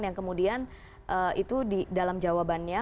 yang kemudian itu di dalam jawabannya